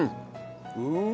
うん！